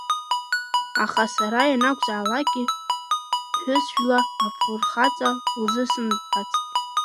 Аха сара ианакәзаалакгьы ԥҳәысжәла афырхаҵа лзысымҳәацт.